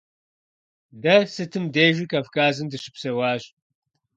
Дэ сытым дежи Кавказым дыщыпсэуащ.